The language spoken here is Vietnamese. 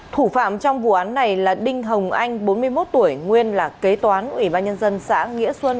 thủ phạm trong vụ án này là đinh hồng anh bốn mươi một tuổi nguyên là kế toán ủy ban nhân dân xã nghĩa xuân